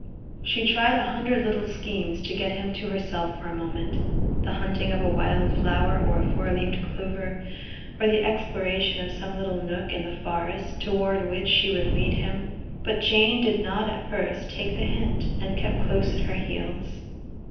She tried a hundred little schemes to get him to herself for a moment the hunting of a wild flower or a four leaved clover, or the exploration of some little nook in the forest toward which she would lead him but Jane did not at first take the hint and kept close at her heels.